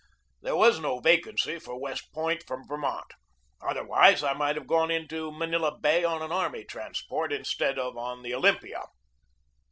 There was no vacancy for West Point from Vermont. Otherwise, I might have gone into Manila Bay on an army transport instead of on the Olympia.